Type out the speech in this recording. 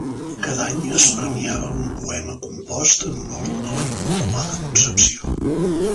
Cada any es premiava un poema compost en honor a la Immaculada Concepció.